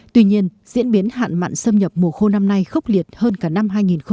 tuy nhiên diễn biến hạn mặn xâm nhập mùa khô năm nay khốc liệt hơn cả năm hai nghìn một mươi tám